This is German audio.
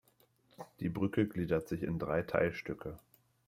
Die Brücke gliedert sich in drei Teilstücke.